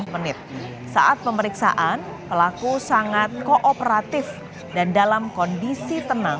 menit saat pemeriksaan pelaku sangat kooperatif dan dalam kondisi tenang